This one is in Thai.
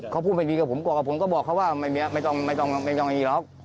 เขาพูดแบบนี้กับผมก่อนผมก็บอกเขาว่าไม่ต้องอะไรหรอก